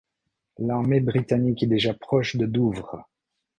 L'armée britannique est déjà proche de Douvres.